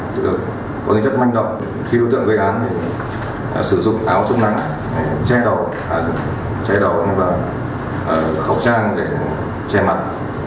có nguyên chất manh động khi đối tượng gây án sử dụng áo trúc nặng che đầu khẩu trang để che mặt